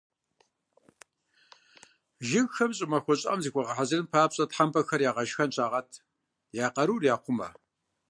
Жыгхэм щӏымахуэ щӏыӏэм зыхуагъэхьэзырын папщӏэ, тхьэпмэхэр «ягъэшхэн» щагъэт, я къарур яхъумэ.